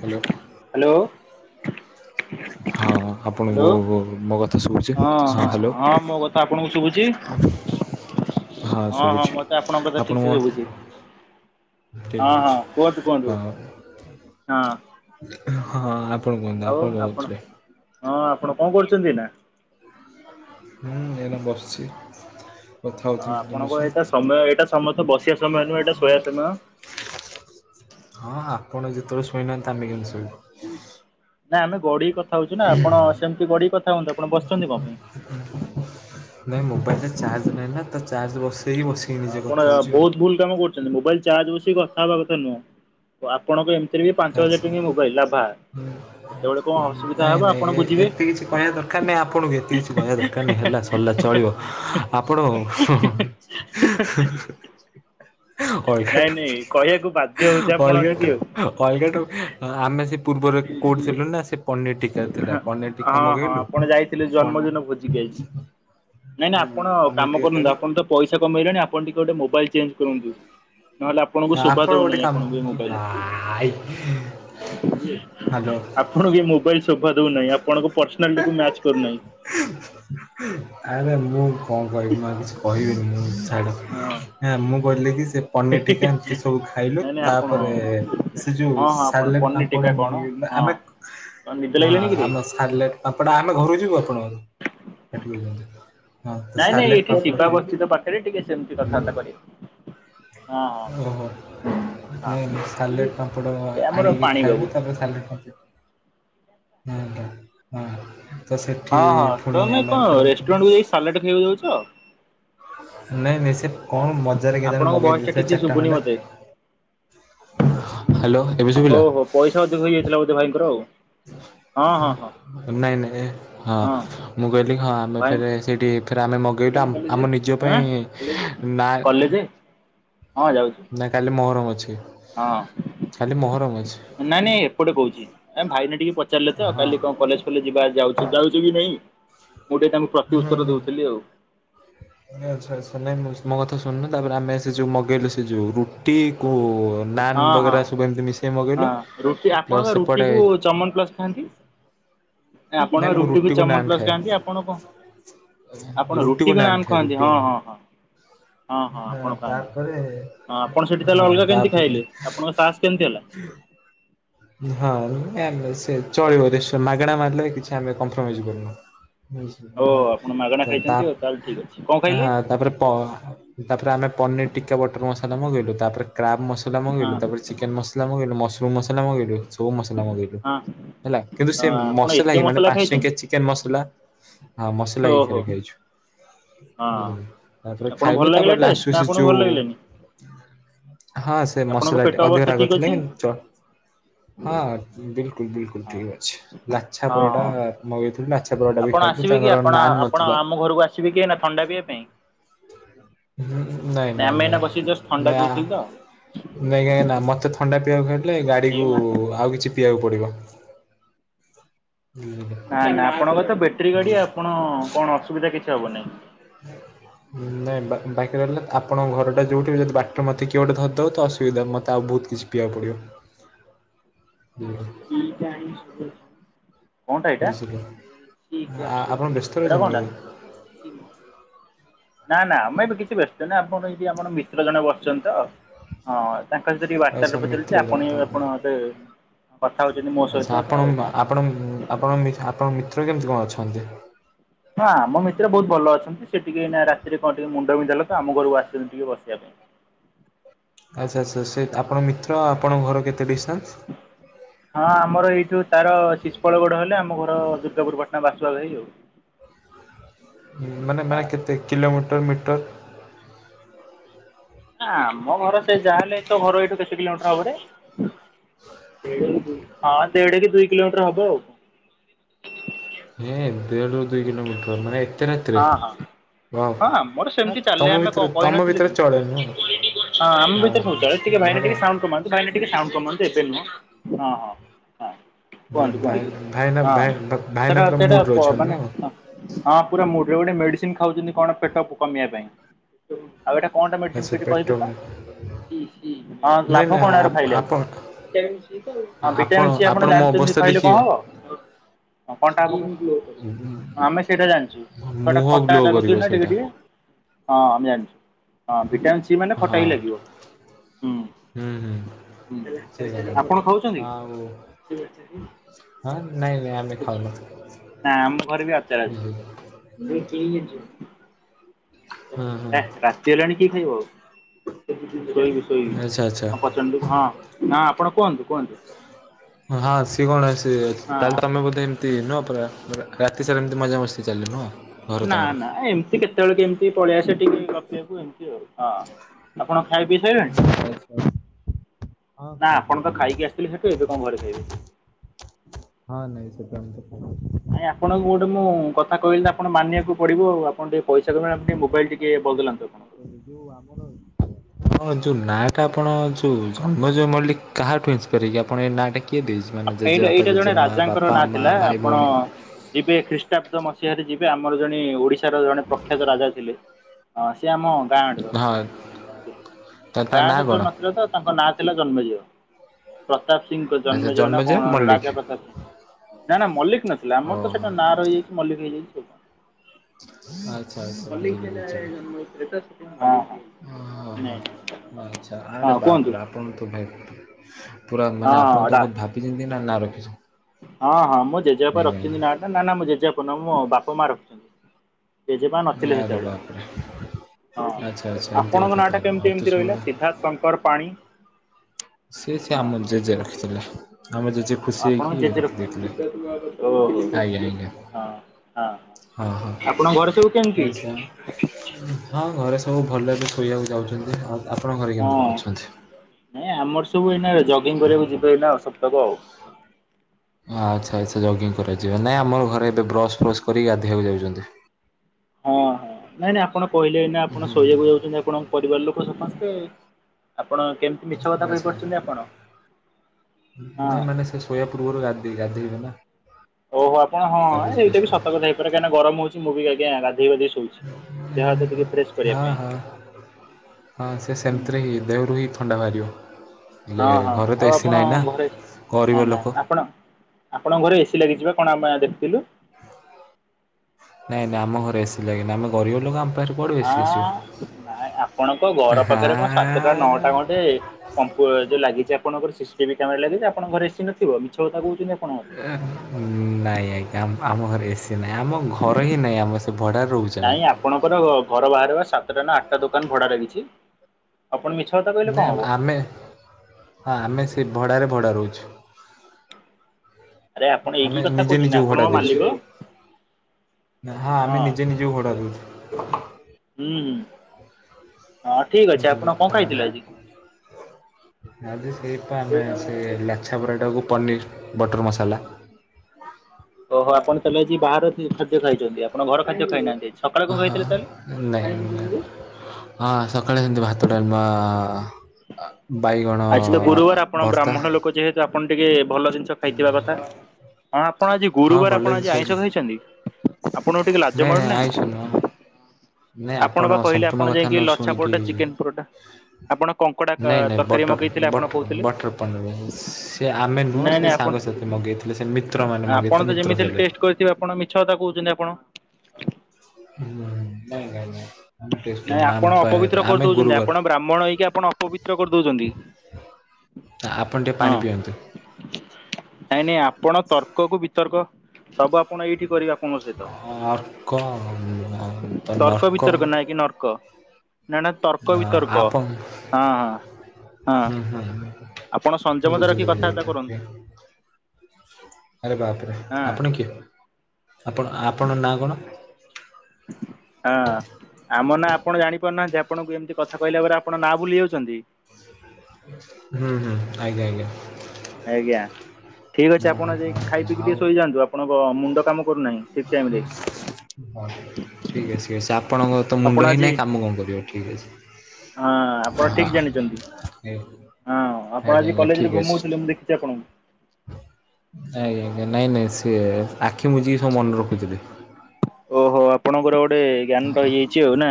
Hello. Hello. ହଁ -ହଁ ଆପଣଙ୍କୁ ମୋ କଥା ଶୁଭୁଚିକି ହଁ ହାଲୋ। [unintelligible] ହଁ-ହଁ ମତେ ଆପଣଙ୍କ କଥା ଠିକ୍ ସେ ଶୁଭୁଚି। ଠିକ୍ ଅଛି। ହଁ-ହଁ ହଁ କୁହନ୍ତୁ-କୁହନ୍ତୁ। ହଁ। ହଁ। ଆପଣ କୁହନ୍ତୁ ଆଉ କଣ ଆପଣ କହୁଥିଲେ? ହଁ ଆପଣ କଣ କରୁଚନ୍ତି ଏଇନା? ହୁଁ ଏଇନା ବସିଚି। ହଁ ଆପଣଙ୍କ ଏଇଟା ସମୟ ଏଇଟା ସମସ୍ତେ ବସିବା ସମୟ ନୁହେ ଏଇଟା ଶୋଇବା ସମୟ। ହଁ ଆପଣ ଯେତବେଳେ ଶୋଇନାହାନ୍ତି ଆମେ କେମିତି ଶୋଇବୁ? ନା ଆମେ ଗଡିକି କଥା ହଉଛୁ ନା ଆପଣ ସେମିତି ଗଡିକି କଥା ହୁଅନ୍ତୁ ଆପଣ ବସିଛନ୍ତି କଁ ପାଇଁ? ନାଇଁ ମୋବାଇଲରେ ଚାର୍ଜ ନାହିଁ ନା ତ ଚାର୍ଜ ବସେଇ ବସ ଆପଣ ଆ ବହୁତ ଭୁଲ କାମ କରୁଛନ୍ତି, ମୋବାଇଲ ଚାର୍ଜ ବସେଇ କଥା ହବା କଥା ନୁହଁ ଆପଣଙ୍କ ଏମ ସେଥିରେ ବି ପାଞ୍ଚ ହଜାର ଟଙ୍କିଆ ମୋବାଇଲ ଲାଭା। କେତେବେଳେ କଣ ହୁଁ-ହୁଁ-ହୁଁ ଅସୁବିଧା ହବ ଆପଣ ନାଇଁ-ନାଇଁ ଏ ବୁଝିବେ ଏତେ କିଛି କହିବା ଦରକାର ନାଇଁ ଆପଣଙ୍କୁ ଏତେ କିଛି କହିବା ଦ କାର ନାହିଁ ହେଲା ସରିଲା ଚଳିବ ଆପଣ [unintelligible] [unintelligible] ଅଲଗା ନାଇଁ ନାଇଁ ଟପିକି କହିବାକୁ ବାଧ୍ୟ ହଉଛି କୁହ ଆପଣ ଅଲଗା ଟ ଟିକେ ଅଲଗ ଟୋ ଆମେ ସେ ପୂର୍ବର କୋଉଠି ଥିଲୁ ନା ସେ ପନିର ଟି କାରେ ଥିଲା ପନିର ହଁ ଟିକା ହଁ ମଗେଇଲୁ ଆପଣ ଯାଇଥିଲେ [unintelligible] ନାଇଁ-ନାଇଁ ଆପଣ ପନିର କାମ ଟିକେ କରନ୍ତୁ ଖାଇଲୁ ଆପଣ ତ ପଇସା କମେଇଲେନି ଆପଣ ଟିକେ ଗୋଟେ ମୋବାଇଲ୍ ଚେଞ୍ଜ୍ କରନ୍ତୁ ନହେଲେ ଆ ଆପଣଙ୍କୁ ଶୁଭା ଆପଣ ଗୋଟେ ଦଉନାହିଁ କାମ ଆପଣଙ୍କୁ ଏ ମୋବାଇଲ ଆଇ [unintelligible] ଆ ହ୍ୟାଲୋ ଆପଣଙ୍କୁ ଏଇ ମୋବାଇଲ ଶୋଭା ଦୋଉ ନାଇଁ ଆପଣ ପର୍ସନାଲିଟିକୁ ମ୍ୟାଚ୍ କରୁନାହିଁ। ଆରେ ମୁଁ କଣ କହିବି ମୁଁ ଆଉ କିଛି କହିବିନି ମୁଁ ଛାଡ। ହଁ। ହଁ ମୁଁ କହିଲି କି ସେ ପନିର ଟିକା ଏମିତି ସବୁ ଖାଇଲୁ ନାଇଁ ନାଇଁ ଆପଣ ତାପରେ ସେ ଯୋଉ ହଁ ହଁ ଆପଣ ସାଲାଡ ପନିର ପା ଟୀକା କଣ [unintelligible] ହଁ ଆମେ କଣ ନିଦ ହଁ ଲାଗିଲାନି କିରେ? ଆମ ସାରିଲେ ପାମ୍ପଡ଼ ଆମେ ଘରୁକୁ ଯିବୁ ଆପଣଙ୍କର ସେଠିକୁ ଯିବୁ। ନାଇଁ ନାଇଁ ଏଇଠି ଶିିବା ବସ୍ତିିତ ପାଖରେ ଟିକେ ସେମିତି କଥାବାର୍ତ୍ତା କରିବ। ଓ ହୋ। ହଁ ନ ସାଲେଡ ପାପଡ ଏ ଆମର ଆଣିକି ପାଣି ବାବୁ ଖାଇଲୁ ତାପରେ ସାଲେଡ ପାପଡ। ହଁ ତ ହଁ ତ ସେଠି ପୁଣି ଆମେ ଏଥର ସାଲେଡ଼୍ ଖାଇବାକୁ ଯାଉଛ? ନାଇ ସେ କଣ ମଜାରେ କେଜାଣି ଆପଣଙ୍କ ମଗେଇ ଭଏସ୍ ଟା ଦେଇଥିଲେ ଠିକ୍ ସେ ଚାରିଟା ଶୁଭୁନି ଖଣ୍ଡେ। ମତେ। ହ୍ୟାଲୋ ଏବେ ସୁୁଭିଲା? ଓହୋ ପଇସା ଅଧିକ ହେଇଯାଇଥିଲା ବୋଧେ ଭାଇଙ୍କର ଆଉ ହଁ ହଁ। ହଁ ନାଇଁ ନାଇଁ ହଁ। ମୁଁ କହିଲି ହଁ ଆମେ ଭାଇ ଫେରେ ସେଇଠି ଫେରେ ଆମେ ମଗେଇଲୁ ଆମ ନିଜ ଆଁ ପାଇଁ ନା କଲେଜେ ହଁ ଯାଉଚୁ। ନାଇଁ କାଲି ମହରମ ଅଛି। ହଁ। କାଲି ମହରମ ଅଛି। ନାଇଁ ନାଇଁ ଏପଟେ କହୁଛି ଭାଇନା ଟିକେ ପଚାରିଲେ ତଉ ହଁ। କାଲି କଣ କଲେଜ ଯିବା ଯାଉଛ ଯାଉଛ କି ନାଇଁ ମୁଁ ଟିକେ ତାଙ୍କୁ ପ୍ରତି ଉତ୍ତର ଦଉଥିଲି ଆଉ। ନଁ ଆଚ୍ଛା ଆଚ୍ଛା ନାଇଁ ମୋ କଥା ଶୁଣୁନୁ ତାପରେ ଆମେ ସେ ଯଉ ମଗେଇଲୁ ସେ ଯଉ ହଁ ହଁ ଏମିତି ମିଶେଇ ମଗେଇଲୁ ହଁ ରୁଟି ଆପଣ ପ୍ଲସ୍ ବା ରୁଟି ସେପଟେ କୁ ଚମନ ପ୍ଲସ ଖାଆନ୍ତି? ନାଇଁ ଆପଣଙ୍କ ମୁଁ ରୁଟି ବି ରୁଟିକୁ ଚମନ ନାନ୍ ପ୍ଲସ ଖାଏ ଖାଆନ୍ତି ଆପଣ କଣ? ଆପଣ ରୁଟି ରୁଟିକୁ ଆଣିକି ନାନ୍ ଆମକୁ ଖାଏ ଖୁଆନ୍ତି ହଁ ରୁଟିକୁ ନାନ୍ ହଁ ହଁ। ହଁ ହଁ ଆପଣ କାହାନ୍ତି ହଁ ଆପଣ ସେଠି ସେ ତାଲେ ହଁ ଅଲଗା କେମିତି ଖାଇଲେ ଆପଣଙ୍କ ସାହସ କେମିତି ହେଲା। ହୁଁ। ହଁ ସେ ଚଳିବ ଦେ ମାଗଣା ମାରିଲେ କିଛି ଆମେ କମ୍ପ୍ରମାଇଜ କରୁନୁ। ଓ ଆପଣ ମାଗଣା ତ ତା ଖାଇଛନ୍ତି ଆଉ ତାହେଲେ ଠିକ୍ ଅଛି କଣ ଖାଇଲେ? ହ ତାପରେ ପ ତାପରେ ଆମେ ପନିର ଟିକା ବଟର ମସଲା ମଗେଇଲୁ ତାପରେ କ୍ରାପ ମସଲା ହଁ ମଗେଇଲୁ ତାପରେ ଚିକେନ ମସ ମଗେଇଲୁ ମସ୍ରରୁମ୍ ମସଲା ମଗେଇଲୁ ସବୁ ମସଲା ମଗେଇଲୁ। ହଁ ହେଲା କିନ୍ତୁ ସେ ଆପଣ ମସଲା ଏତେ ମାନେ ଖାଇଛନ୍ତି ପାଞ୍ଚଟଙ୍କିଆ ଚିକେନ ମସଲା। ହଁ ମସଲା ହେଇ ଓହୋ କରିିକି ଖାଇଛୁ। ହଁ ତାପରେ ଆପଣ ଭଲ ଖାଇଲୁ ଲାଗିଲା ତାପରେ ଟେଷ୍ଟ ଲାଷ୍ଟ ନା ସେ ଆପଣଙ୍କୁ ଭଲ ଯୋଉ ଲାଗିଲାନି ହଁ ସେ ଆପଣଙ୍କ ପେଟ ମସଲାଟି ଅବସ୍ଥା ଅଧିକ ଠିକ୍ ରାଗ ଅଛି? ଥିଲେ କିନ୍ ଚ ହଁ ବିଲ୍ କୁଲ୍ ବିଲ୍ କୁଲ୍ ହଁ ଠିକ୍ ଅଛି। ଗାଛା ପରଟା ହଁ। ମଗେଇଥିଲୁ ଗାଛା ପରଟା ବି ଖାଇଥିଲୁ ତାଙ୍କର ନାନ ନଥିଲା। ବିକି ଏଇନା ଥଣ୍ଡା ପିଇବା ପାଇଁ। ହଁ ନାଇଁ ନା ନାଇଁ ଆମେ ଏଇନା ବସି ଜଷ୍ଟ ନାଇଁ ଥଣ୍ଡା ନା। ପିଉଥିଲୁ ତ ନାଇଁ କାଇଁ ନା ମତେ ଥଣ୍ଡା ପିଇବାକୁ କହିଥିଲେ ହେ ଗାଡି ସିଏ କୁ ମା ଆଉ କିଛି ପିଆକୁ ପଡ଼ିବ। ନାଇଁ ନାଇଁ ଆପଣଙ୍କ ତ ବ୍ୟାଟେରୀ ଗାଡି ଆଜ୍ଞା। ଆପଣ କଣ ଅସୁବିଧା କିଛି ହବ ନାହିଁ। ହୁଁ ନାଇଁ ବା ବାକି ରହିଲା ଆପଣ ଘରଟା ଯୋଉଠି ଯଦି ବାଟରେ ମତେ କିଏ ଗୋଟେ ଧରି ଦବ ତ ଅସୁବିଧା ମୋତେ ଆଉ ବହୁତ କିଛି ପିଆକୁ ପଡ଼ିବ। ହୁଁ [unintelligible] କଣଟା ବୁଝିଲେ ଏଇଟା ଆ ଆପଣ ବ୍ୟସ୍ତ ଏଟା ରହିଛନ୍ତି କଣଟା? ବୋଧେ ନା ନା ଆମେ ବି କିଛି ବ୍ୟସ୍ତ ନାହିଁ। ଆପଣର ଆମର ମିତ୍ର ଜଣେ ବସିଛନ୍ତି ତ। ହଁ ତାଙ୍କ ସହିତ ଟିକେ ଆଚ୍ଛା ବାର୍ତ୍ତାଳାପ ମିତ୍ର ଚାଲିଚି। ଜଣ ଆପଣ ଆପଣେ କଥା ହଉଛନ୍ତି ମୋ ସହିତ ତ। ଆପଣମ୍ ଆପଣ ମ୍ ଆପଣଙ୍କ ମିତ୍ର କେମିତି କଣ ଅଛନ୍ତି? ହଁ ଆମ ମିତ୍ର ବହୁତ ଭଲ ଅଛନ୍ତି ସେ ଟିକେ ନା ରାତିରେ କଣ ଟିକେ ମୁଣ୍ଡ ବିନ୍ଧା ହେଲା ଆମ ଘରକୁ ଆସିଛନ୍ତିିବସିବା ପାଇଁ। ଆଚ୍ଛା ଆଚ୍ଛା ସେ ଆପଣ ମିତ୍ର ଆପଣଙ୍କ ଘର କେତେ ଡିଷ୍ଟାନ୍ସ ହଁ ଆମର ଏଇଠୁ ତାର ଶିଶପଳ ଗୋଡ଼ ହେଲେ ଆମ ଘର ଦୁର୍ଗାପୁରପଟଣା ବାସୁଆ ଘାଇ ଆଉ। ହ [unintelligible] ମାନେ ମାନେ କେତେ କିଲୋମିଟର ମିଟର? ନା ଆମ ଘର ସେ ଯାହା ହେେଲେ ତ ଘର ଏଇଠୁ କେତେ କିଲୋମିଟର ହବରେ? ଦେଢ଼ ହଁ ଦେଢ଼ କି ଦୁଇ କିଲୋମିଟର ହବ ଆଉ। ଦେଢ଼ରୁ ଦୁଇ କିଲୋମିଟର ମାନେ। ଏତେ ରାତିରେ ଆଉ ହଁ ହଁ ହଁ ଆମର ସେମିତି ଚାଲେ ହଁତମ ଆମେ କଣ ଭିତରେ ତମ କହିନଥିଲୁ କି? ଭିତରେ ଚଳେନୁ। ହଁ ଆମ ଭିତରେ ହଉଥାଏ ଟିକେ ଭାଇନ ଟିକେ ସାଉ ଣ୍ଡ କମାନ୍ତୁ। ଭାଇନା ଟିକେ ସାଉ ଣ୍ଡ କମାନ୍ତୁ ଏବେନୁହଁ ହଁ ହଁ ହଁ। ଭାଇ କୁହନ୍ତୁ ଭାଇ କୁହନ୍ତୁ ହଁ ଭାଇନା ଭାଇ ଭାଇନା ସେଟା ପୁରା ସେଟା ମୁଡ୍ ରେ ଅଛନ୍ତି ମାନେ ନୁହଁ ହଁ। ଆ ହଁ ପୁରା ମୁଡ଼ ରେଗୋଟେ ମେଡିସିନ ଖାଉଛନ୍ତି କଣ ପେଟ କମେଇବା ପାଇଁ। ଆଉ ଏଟା କଣଟା ସେ ମେଡିସିନି ପେଟ କହିବେ ତ ପାଇଁ। ହ ନାଇଁ ଲାଭ ନାଇଁ କଣ ଆପ ଖାଇଲେ ଆକୁ? ଆପଣ ଭିଟା ମିନ ସି ହଁ ଭିଟାମିନ୍ ସି ଆପଣ ମୋ ଜାଣିଛନ୍ତି ଅବସ୍ଥା ଖାଇଲେ ଦେଖିବେ କଣ ହବ? ହଁ କଣା ଆମେ ସେଇଟା ଜାଣିଛୁ [unintelligible] ହେଟା ମୁହଁ ଖଟା ଗ୍ଲୋ ଲାଗୁ କରିବ ନା ଟିକେ ସେଇଟା ଟିକେ ହଁ ଆମେ ଜାଣିଛୁ। ହଁ ଭିଟାମିନ୍ ସି ମାନେ ହଁ ଖଟାବି ଲାଗିବ ହୁଁ। ହୁଁ ହୁଁ ସେଇ କଥା ଆପଣ ଆଉ ଖାଉଛନ୍ତିକି? ହଁ ନାଇଁ ନାଇଁ ଆମେ ଖାଉନୁ ନା ଆମ ଘରେ ବି ଆଚାର ବୁଝିଲି। ଅଛିନେଇକି ଆସିବ। ହୁଁ ହୁଁ ହେ ରାତି ହେଲାଣି କି ଖାଇବ ଆଉଯାଉଛି ଶୋଇବି। ଶୋଇବି ଆଚ୍ଛା ଆଚ୍ଛା ହଁ ପଚାରାନ୍ତୁହଁ ନା ଆପଣ କୁହନ୍ତୁ କୁହନ୍ତୁ। ହଁ ସିଏ କଣ ଆସି ତାହେଲେ ହଁ। ତମେ ବୋଧେ। ଦୀନ ପରା ରା ରାତି ସାରା ଏମିତି ମଜା ମସ୍ତି ଚାଲେ ନୁହଁ। ଘର ନା ତମର ନା ଏମିତି କେତେବେଳ କେମିତି ପଳେଇଆସେ ଟିକେ ଗପିବାକୁ ଏମିତି ଆଉ। ହଁ ଆପଣ ଖାଇ ପିଇସାରିଲେଣି। ହଁ ନା ଖାଇ ପିଇ ଆପଣ ତ ସାରିଲିଣି ଖାଇକି ଆସିଥିଲେ ସେଠି ଏବେ କଣ ଘରେ ଖାଇବେ। ହଁ ନାଇଁ ସେ [unintelligible] ନାଇଁ ଆପଣଙ୍କୁ ଗୋଟେ ମୁଁ କଥା କହିଲି ଆପଣ ମାନିବାକୁ ପଡିବ ଆପଣ ଟିକେ ପଇସା ଆମେ ଟିକେ ମୋବାଇଲ ଟିକେ ବଦଳାନ୍ତୁ ଆପଣଙ୍କ ର। ଏଇ ଯୋଉ ଆମର। ହଁ ଆପଣ ଯଉଁ ନାଁ ଟା ଆପଣ ଯଉଁ ଜନ୍ମ ଯେଉ ମିଲକ। କାହାଠୁ ଇନ୍ସପାୟାର ହେଇକି ଆପଣ? ଏ ନାଁଟା କିଏ? କିଏ ଦେଇଚି ମାନେ ଏଇଟା ଜେଜେବାପା ଏଇଟା ଜଣେ ଜେଜେମା ରାଜାଙ୍କର ବାପା ନାଁ ମା ଥିଲା ଭାଇ ଆପଣ ଭଉଣୀ? ଯିବେ ଖ୍ରୀଷ୍ଟାବ୍ଦ ମସିହାରେ ଯିବେ। ଆମର ଜଣେ ଓଡିଶାର ଜଣେ ପ୍ରଖ୍ୟାତ ରାଜା ଥିଲେ। ହଁ ସିଏ ଆମ ଗାଁ ଆଡର [unintelligible] ହଁ ତ ତା ନାଁ କଣ ତାଙ୍କ ନାଁ ଥିଲା ଜନ୍ମେ ଯୟ। ପ୍ରତାପ ସିଂଙ୍କ ଆଚ୍ଛା ଜନ୍ମେ ଯୟ ନା ଜନ୍ମଜୟ କଣ ମଲ୍ଲିକ ରାଜା। ନା ନା ମଲ୍ଲିକ ନଥିଲେ। ଆମର ତ ଓହୋ ସେଟା ନାଁ ରହିଯାଇଚି ମଲ୍ଲିକ ହେଇଯାଇଚି ସେଠୁ। ଆଚ୍ଛା ଆଚ୍ଛା ଭଲି ବୁଝିଲି ଖେଳିଲା ବେଳେ ବୁଝିଲି ଜନ୍ମ ହେଇଥିଲିତ ସେଥିପାଇଁ ଓହୋ ହୋ ଆଚ୍ଛା ଆରେ ବାପରା। ଆପଣ ତ ଭାଇ ପୁରା ହଁ ମାନେ ଆପଣ ତ ରା ବୋହୁତ ଭାବିଚିନ୍ତି ନା ନା ରଖିଛନ୍ତି। ହଁ ହଁ ମୁଁ ଜେଜେବାପା ରଖିଚନ୍ତି ନାଁ ଆଜ୍ଞା ଟା ନା ନା ମୋ ଜେଜେବାପା ନୁହଁ ମୋ ବାପ ମା ରଖିଛନ୍ତି। ଜେଜେପା ନଥିଲେ ଆରେ ହେତେବେଳେ। ବାପରେ ଆଚ୍ଛା ହଁ ଆଚ୍ଛା ଏମିତି ଆପଣଙ୍କ କଥା ନାଆଁ ଟା ତାହେଲେ କେମିତି ଅତି ଏମିତି ରହିଲା ସୁନ୍ଦର ସିଦ୍ଧାର୍ଥ ଶଙ୍କର ପାଣି? ସେ ସିଏ ହଁ ଆମ ଜେଜେ ରଖିଥିଲେ ଆମ ଜେଜେ ଖୁସି ଆପଣଙ୍କ ହେଇକି ଜେଜେ ରଖିଦେଇଥିଲେ। ରଖିଥିଲେ ଓ ଆଜ୍ଞା ଆଜ୍ଞା ହଁ ହଁ। ହଁ ହଁ ଆପଣଙ୍କ ଘରେ ସବୁ କେମିତି ଆଚ୍ଛା। ହଁ ଘରେ ସବୁ ଭଲ ରେ ଶୋଇବାକୁ ଯାଉଚନ୍ତି ଆଉ ଆପଣଙ୍କ ଘରେ ହଁ କେମିତି କଣ ଅଛନ୍ତି? ନାଇଁ ଆମର ସବୁ ଏଇନା ଜଗିଙ୍ଗ କରିବାକୁ ଯିଵେଏଇନା ସବୁତକ ଆଉ। ଆ ଆଚ୍ଛା ଆଚ୍ଛା ଜଗିଂ କରାଯିବା ନାଇଁ ଆମର ଘରେ ଏବେ ବ୍ରସ୍ ଫ୍ରସ୍ କରିି ଗାଧୋଇବାକୁ ଯାଉଚନ୍ତି। ହଁ ନାଇଁ ନାଇଁ ଆପଣ କହିଲେ ଆପଣ ହୁଁ ଶୋଇବାକୁ ଯାଉଚନ୍ତି ଆପଣଙ୍କ ପରିବାର ଲୋକ ସମସ୍ତେ ଆପଣ କେମିତି ମିଛ କଥା ଆଚ୍ଛା କହିପାରୁଚନ୍ତି ଆପଣ ହଁ। ସୋଇବା ପୂର୍ବରୁ ଗାଧି ଗାଧେଇବେ ନା। ଓହୋ ଆପଣ ହଁ ହଁ ତାପରେ ଯିବେ ଏଇଟା ବି ଶୋଇବା ସତ କଥା ହେଇପାରେ କାହିଁକି ଗରମ ହୋଉଚି ମୁଁ ବି ଆଜ୍ଞ୍ୟା ସେଥିପାଇଁ ଗାଧେଇପାଧେଇ ସୋ ଦେହ ହାତ ଟିକେ ଫ୍ରେଶ କରିବା ହଁ ହଁ ପାଇଁ। ହଁ ହୁଁ ହୁଁ ସେମିତିରେ ହିଁ ଦେହରୁ ହିଁ ଥଣ୍ଡା ବାହାରିବ। ହେଲେ ଅହଁ ହଁ ଘରେ ତ ଆଉ ଏସିି ଆପଣ ନାହିଁ ନା ଘରେ ଗରିବ ନା ନା ଲୋକ। ଆପଣ ଆପଣଙ୍କ ଘରେ ଏସି ଲାଗିଯିଚି ପା କଣ ଆମେ ଦେଖିଥିଲୁ। ନାଇଁ ନାଇଁ ଆମ ଘରେ ଏସି ଲାଗିନି ଆମେ ଗରିବ ଲୋକୋ ଆମ ପାଖରେ କୁଆଡ଼ୁ ଏସି ଆସିବ। ଆଁ ନାଇଁ ଆପଣଙ୍କ ଘର ପାଖରେ [unintelligible] ହାଁ ସାତଟା ନଅଟା ଖଣ୍ଡେ [unintelligible] ଯୋଉ ଲାଗିଚି ଆପଣଙ୍କର ସି ସି ଟିଭି କ୍ୟାମେରା ଲାଗିଛି ଆପଣଙ୍କ ଘରେ ଏସି ନଥିବ ମିଛ କଥା କୋହୁଚନ୍ତି ଆ ନାଇଁ [unintelligible] ଆମ ଘରେ ଏସି ନାଇଁ ଆମ ଘର ହିଁ ନାଇଁ ଆମ ସେ ଭଡାରେ ରହୁ ନାଇଁ ଆପଣଙ୍କର ଘର ବାହାରେବା ସାତଟା ନା ଆଠଟା ଦୋକାନ ଭଡା ଲାଗିଛି ଆପଣ ମିଛ କଥା କହିଲେ କଣ ହବ [unintelligible] ଆମେ ହଁ ଆମେ ସେଇ ଭଡ଼ାରେ ଭଡ଼ା ରୋହୁଛୁ। ଆରେ ଆପଣ ଏଇ କି ଆମେ କଥା ନିଜେ କହୁଛନ୍ତି ନିଜକୁ ଆପଣଙ୍କ ଭଡ଼ା ଦେଇଛୁ। ମାଲିକ ନାଁ ହଁ ଆମେ ନିଜେ ନିଜକୁ ଭଡ଼ା ଦୋଉଛୁ। ହୁଁ ହଁ ଠିକ ଅଛି ବୁଝିଲେ। ଆପଣ କଁ ହଁ ଖାଇଥିଲେ ଆଜି। ଆଜି ସେଇ ପା ଆମେ ସେ ଲାଚ୍ଛା ପରାଟାକୁ ପନିର ବଟର ମସାଲା। ଓହୋ ଆପଣ ତାହେଲେ ଆଜି ବାହାର ଖାଦ୍ୟ ଖାଇଛନ୍ତି ଆପଣ ଘର ଖାଦ୍ୟ ଖାଇନାହାନ୍ତି। ସକାଳୁ କଁ ଖାଇଥିଲେ ହଁ ନାଇଁ ତାହାଲେ। ହଁ ସକାଳେ କିନ୍ତୁ ଭାତ ଡାଲମା ଆ ବାଇଗଣ ଆଜି ଗୁରୁବାର ଆପଣ ଭର୍ତ୍ତା। ବ୍ରାହ୍ମଣ ଲୋକ ଯେହେତୁ ତ ଆପଣ ଟିକେ ଭଲ ଜିନିଷ ଖାଇଥିବା କଥା ହଁ ଆପଣ ଆଜି ହଁ ଗୁରୁବାର ଭଲରେ ଆପଣ ଆଜି ସେ ଆଇଁଷ ଖାଇଛନ୍ତି। ଆପଣଙ୍କୁ ଟିକେ ଲାଜ ନାଇଁ ମାଡୁ ନାଇଁ ଆଇଁଷ ନୁହଁ। ନାହିଁ। ନାଇଁ ଆପଣ ସମ୍ପୂର୍ଣ୍ଣ କଥା ନ ଲଛା ଶୁଣିକି ପରଟା ଚିକେନ ପରଟା ଆପଣ କଙ୍କଡା ନାଇଁ ନାଇଁ ତରକାରୀ ମଗେଇଥିଲେ ଆପଣ କହୁଥିଲେ [unintelligible] ସିଏ ଆମେ ନୁହଁ ନାଇଁ ସିଏ ନାଇଁ ଆପଣ ସାଙ୍ଗ ସାଥି ମଗେଇ ଥି [unintelligible] ମିତ୍ର ମାନେ ମଗେଇ ଆପଣ ଥିଲେ ତ ମିତ୍ର ଯେମିତି ଖାଇଲେ। [unintelligible] ଆପଣ ମିଛ କଥା କୋହୁଛନ୍ତି ଆପଣ। [unintelligible] ନାଇଁ କରୁନୁ ଆମ ଆପଣ ପାଇଁ ଅପବିତ୍ର ଆମେ କରିଦୋଉଛନ୍ତି ଗୁରୁବାର ଆପଣ ବ୍ରାହ୍ମଣ ହେଇକି ଆପଣ ଅପବିତ୍ର କରିଦୋଉଛନ୍ତି। ଆପଣ ଟିକେ ପାଣି ପିଅନ୍ତୁ। ନାଇଁ ନାଇଁ ଆପଣ ତର୍କ କୁ ବିତର୍କ ସବୁ ଆପଣ ଏଇଠି କରିବା [unintelligible] ଯାଇକି ନର୍କ ନା ନା ତର୍କ ବିତର୍କ ଆପଣ ହଁ ହଁ ହିଁ। ହୁଁ ହୁଁ। ଆପଣ ସଂଯମତା ବୁଝିଲି ରଖିକି କଥାବାର୍ତ୍ତା ବୁଝିଲି କରନ୍ତୁ। ଆରେ ବାପରେ ହଁ ଆପଣ କିଏ ଆପଣ ଆ ଆପଣ ନାଁ କଣ? ହିଁ। ଆମ ନା ଆପଣ ଜାଣିପାରୁନାହାନ୍ତି ଆପଣଙ୍କୁ ଏମିତି କଥା କହିଲା ପରେ ଆପଣ ନାଁ ଭୁଲି ଯାଉଛନ୍ତି। ହୁଁ ହୁଁ ଆଜ୍ଞା ଆଜ୍ଞା। ଆଜ୍ଞା ଠିକ୍ ଅଛି ଆପଣ ଯାଇକି ଖାଇ ପିିକି ଆଉ ଟିକେ ଶୋଇଯାଆନ୍ତୁ ଆ ଆପଣଙ୍କ ମୁଣ୍ଡ କାମ କରୁନାହିଁ ଠିକ୍ ଟାଇମ ରେ। ହିଁ ଠିକ୍ ଅଛି ଠିକ୍ ଅଛି ଆପଣଙ୍କ ତ ଆପଣ ମୁଣ୍ଡ ହିଁ ଆଜି ନାହିଁ କାମ କଣ କରିବ ଠିକ୍ ଅଛି। ହଁ ଆପଣ ହଁ ଠିକ୍ ଜାଣିଛନ୍ତି। ହଁ ଆପଣ ଆଜ୍ଞା ଆଜି କଲେଜ ରେ ଘୁମଉଥିଲେ ମୁଁ ଦେଖିଛି ଆପଣଙ୍କୁ। ନାଇଁ ଆଜ୍ଞା ନାଇଁ ନାଇଁ ସିଏ ଆଖି ମୁଝିକି ସବୁ ମନେ ରଖୁଥିଲି। ଓହୋ ଆପଣଙ୍କର ଗୋଟେ ଜ୍ଞାନ ରହିଯାଇଛି ଆଉ ନା।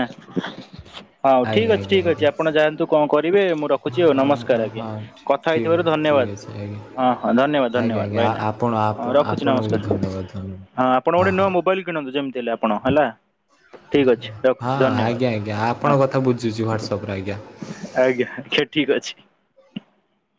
ହୋଉ ଠିକ୍ ଆଜ୍ଞା ଅଛି ଆଜ୍ଞା ଠିକ୍ ଅଛି ଆଜ୍ଞା ଆପଣ ଯାଆନ୍ତୁ କଣ କରିବେ ମୁଁ ରଖୁଛି ଆଉ ହଁ ନମସ୍କାର ଆଜ୍ଞା ହଁ କ ଥା ଠିକ୍ ହେଇଥିବାରୁ ଅଛି ଠିକ୍ ଧନ୍ୟବାଦ ଅଛି ଆଜ୍ଞା। ହଁ ହଁ ଧନ୍ୟବାଦ ଆଜ୍ଞା ଧନ୍ୟବାଦ ଆଜ୍ଞା ଭାଇନା ଆପଣ ହଁ ରଖୁଛି ଆପଣଙ୍କୁ ବି ନମସ୍କାର। ଧନ୍ୟବାଦ ଧନ୍ୟବାଦ। ହଁ ଆପଣ ଗୋଟେ ନୂଆ ମୋବାଇଲ କିଣନ୍ତୁ ଯେମିତି ହେଲେ ଆପଣ ହେଲା। ଠିକ୍ ଅଛି ରଖୁଛି ହଁ ଧନ୍ୟବାଦ ଆଜ୍ଞା ଆଜ୍ଞା ହଁ ଆପଣଙ୍କ କଥା ବୁଝୁଛି ହ୍ଵାଟ୍ସଆପ ରେ ଆଜ୍ଞା। ଆଜ୍ଞା ଆଜ୍ଞା ଠିକ୍ ଅଛି।